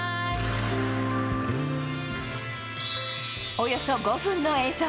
およそ５分の映像。